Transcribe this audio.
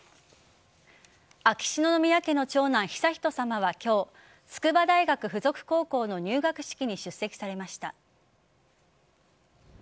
秋篠宮家の長男・悠仁さまは今日筑波大学附属高校の入学式に出席されました。